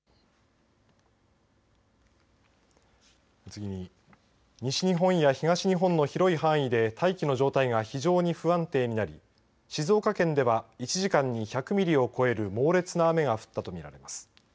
次に、西日本や東日本の広い範囲で大気の状態が非常に不安定になり静岡県では１時間に１００ミリを超える猛烈な雨が降ったと見られます。